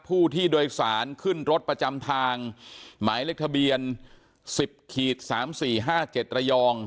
ผู้ที่โดยสารขึ้นรถประจำทางหมายเลขทะเบียนสิบขีดสามสี่ห้าเจ็ดระยอง